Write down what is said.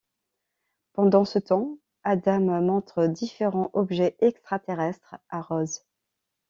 Pendant ce temps, Adam montre différents objets extra-terrestres à Rose.